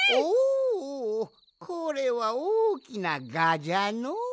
おこれはおおきなガじゃのう。